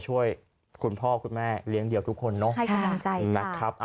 ช่วยคุณพ่อคุณแม่เลี้ยงเดียวทุกคนเนาะให้คุณดำใจ